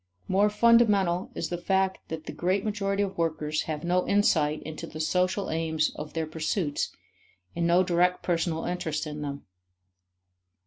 More fundamental is the fact that the great majority of workers have no insight into the social aims of their pursuits and no direct personal interest in them.